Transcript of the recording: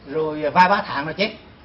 rồi vài ba tháng rồi chết